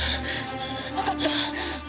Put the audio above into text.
わかった。